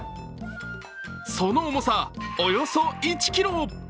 その重さ、およそ１ｋｇ。